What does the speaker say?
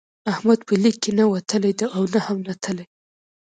احمد به لیک کې نه وتلی دی او نه هم نتلی.